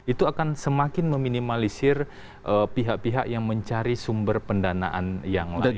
itu akan semakin meminimalisir pihak pihak yang mencari sumber pendanaan yang lain